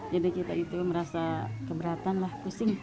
jadi kita itu merasa keberatan lah pusing